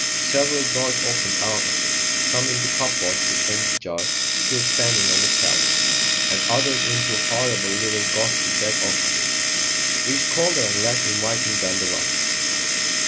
Several doors opened out of it some into cupboards with empty jars still standing on the shelves, and others into horrible little ghostly back offices, each colder and less inviting than the last.